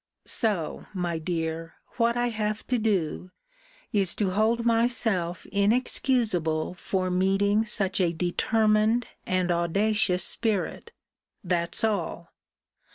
So, my dear, what I have to do, is to hold myself inexcusable for meeting such a determined and audacious spirit; that's all!